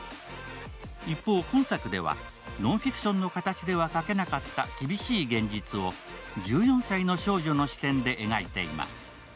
一方、今作ではノンフィクションの形では書けなかった厳しい現実を１４歳の少女の視点で描いています。